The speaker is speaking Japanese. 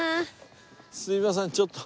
すいませんちょっと。